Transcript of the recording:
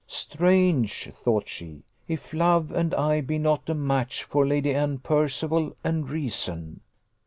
"Strange," thought she, "if love and I be not a match for Lady Anne Percival and reason!"